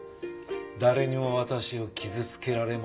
「誰にも私を傷つけられません」ってな。